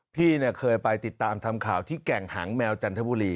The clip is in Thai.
พี่เคยไปติดตามทำข่าวที่แก่งหางแมวจันทบุรี